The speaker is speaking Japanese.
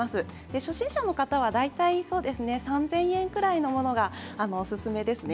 初心者の方は大体３０００円ぐらいのものがおすすめですね。